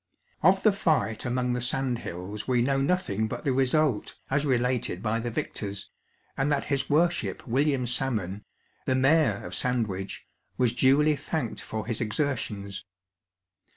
Of the fight among the sandhills we know nothing but the result, as related by the victors, and that his Worship William Salmon, the mayor of Sandwich, was duly thanked for his exertions.